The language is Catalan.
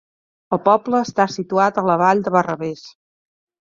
El poble està situat a la vall de Barravés.